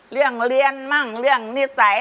เรื่องเรียนมั่งเรื่องนิสัย